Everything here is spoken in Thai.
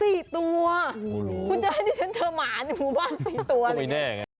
คุณจะให้ที่ฉันเจอหมาในหมู่บ้าน๔ตัว